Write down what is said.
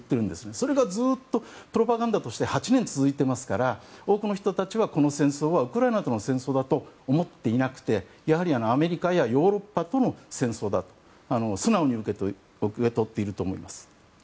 それがずっとプロパガンダとして８年続いていますから多くの人たちは、この戦争はウクライナとの戦争だと思っていなくて、やはりアメリカやヨーロッパとの戦争だと素直に受け取っていると思います。